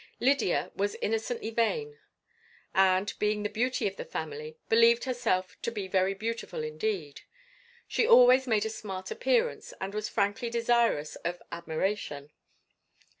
Lydia was innocently vain, and, being the beauty of the family, believed herself to be very beautiful indeed. She always made a smart appearance, and was frankly desirous of admiration.